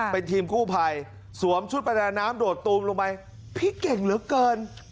เป็นทีมกู้ภัยสวมชุดประดาน้ำโดดตูมลงไปพี่เก่งเหลือเกิน